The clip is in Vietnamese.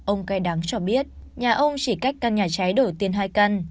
ông cay đắng cho biết nhà ông chỉ cách căn nhà trái đổi tiền hai căn